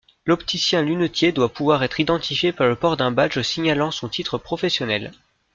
L'opticien-lunetier doit pouvoir être identifié par le port d'un badge signalant son titre professionnel.